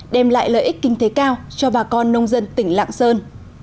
đem lại lợi ích kinh tế cao cho bà con nông dân tỉnh lạng sơn